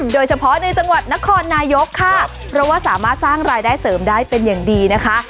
โดยเฉพาะในจังหวัดนครนายกค่ะเพราะว่าสามารถสร้างรายได้เสริมได้เป็นอย่างดีนะคะ